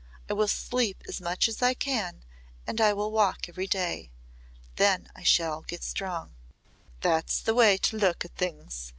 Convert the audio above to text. I will sleep as much as I can and I will walk every day. Then I shall get strong." "That's the way to look at things.